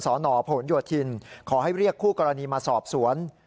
สนผลโยธินขอให้เรียกคู่กรณีมาสอบสวน